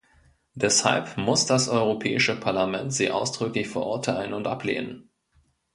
Deshalb muss das Europäische Parlament sie ausdrücklich verurteilen und ablehnen.